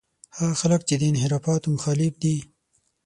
هغه خلک چې د انحرافاتو مخالف دي.